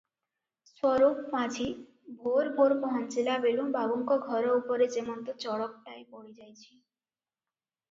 ସ୍ୱରୂପ ମାଝି ଭୋର ଭୋର ପହଞ୍ଚିଲା ବେଳୁଁ ବାବୁଙ୍କ ଘର ଉପରେ ଯେମନ୍ତ ଚଡ଼କଟାଏ ପଡି ଯାଇଛି ।